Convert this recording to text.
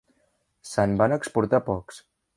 Se'n van exportar pocs.